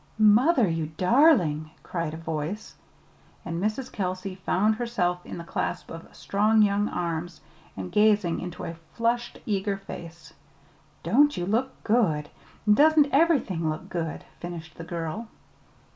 "Mother, you darling!" cried a voice, and Mrs. Kelsey found herself in the clasp of strong young arms, and gazing into a flushed, eager face. "Don't you look good! And doesn't everything look good!" finished the girl.